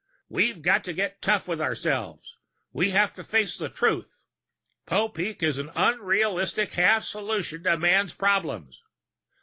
We've got to get tough with ourselves! We have to face the truth! Popeek is an unrealistic half solution to man's problems.